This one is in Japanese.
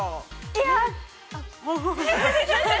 ◆いや。